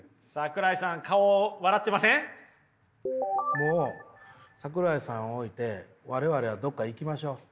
もう桜井さん置いて我々はどこか行きましょう。